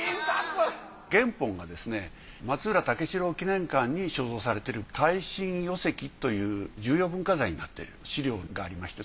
原本がですね松浦武四郎記念館に所蔵されている「灰心余赤」という重要文化財になっている史料がありまして。